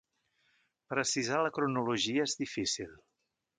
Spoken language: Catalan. Precisar la cronologia és difícil.